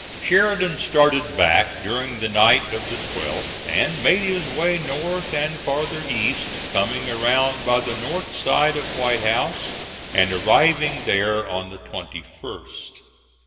Sheridan started back during the night of the 12th, and made his way north and farther east, coming around by the north side of White House, and arriving there on the 21st.